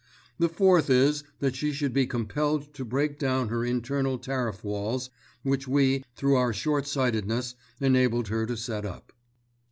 The fourth is that she should be compelled to break down her internal tariff walls which we, through our short sightedness, enabled her to set up.